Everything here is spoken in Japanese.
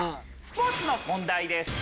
スポーツの問題です。